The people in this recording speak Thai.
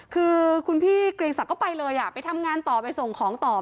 คือคุณพี่เกรียงศักดิ์ไปเลยไปทำงานต่อไปส่งของต่อ